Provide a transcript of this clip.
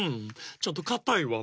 ちょっとかたいわね。